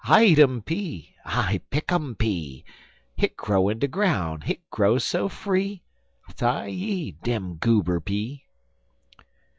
I eat um pea, I pick um pea. Hit grow in de groun', hit grow so free; Ti yi! dem goober pea.'